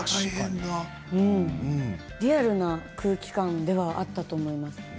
リアルな空気感ではあったと思います。